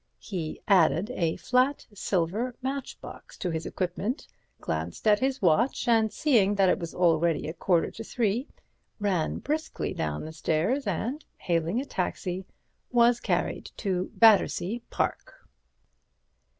He added a flat silver matchbox to his equipment, glanced at his watch, and seeing that it was already a quarter to three, ran briskly downstairs, and, hailing a taxi, was carried to Battersea Park.